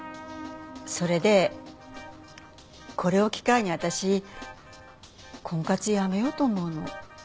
それでこれを機会に私婚活やめようと思うの。